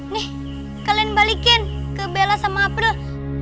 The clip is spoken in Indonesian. nih kalian balikin ke bella sama abdul